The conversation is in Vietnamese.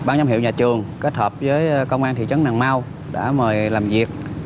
thì bán giám hiệu nhà trường kết hợp với công an thị trấn nàng mau đã mời làm việc